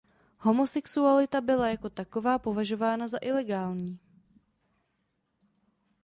Homosexualita byla jako taková považována za ilegální.